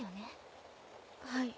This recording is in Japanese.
はい。